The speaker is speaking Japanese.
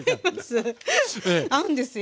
合うんですよ。